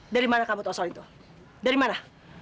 dari mana kamu tahu soal itu dari mana